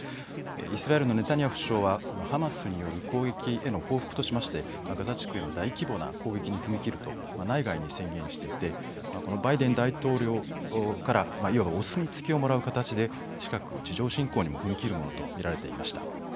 イスラエルのネタニヤフ首相はハマスによる攻撃に対する報復としましてガザ地区への大規模な攻撃に踏み切ると内外に宣言していましてバイデン大統領からいわばお墨付きをもらう形で近く地上侵攻にも踏み切るものと見られていました。